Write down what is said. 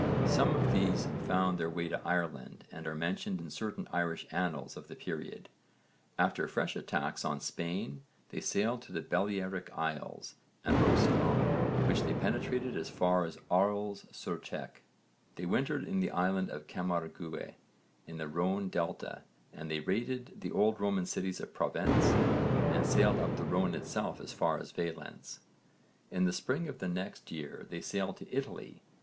Some of these found their way to Ireland and are mentioned in certain Irish annals of the period. After fresh attacks on Spain they sailed to the Balearic Isles, and Roussillon, which they penetrated as far as Arles sur Tech. They wintered in the island of Camargue in the Rhone delta and then raided the old Roman cities of Provence and sailed up the Rhone itself as far as Valence. In the spring of the next year they sailed to Italy.